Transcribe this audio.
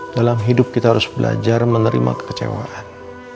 dalam hidup kita harus belajar menerima kekecewaan